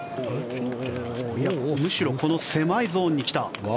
むしろこの狭いゾーンに来た。